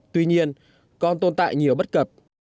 tuy nhiên còn tồn tại nhiều bất cập